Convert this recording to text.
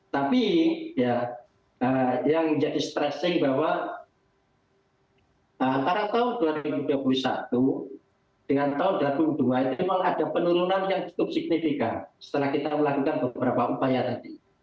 tapi ya yang menjadi stressing bahwa antara tahun dua ribu dua puluh satu dengan tahun dua ribu dua puluh dua itu memang ada penurunan yang cukup signifikan setelah kita melakukan beberapa upaya tadi